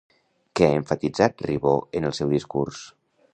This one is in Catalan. Què ha emfatitzat Ribó en el seu discurs?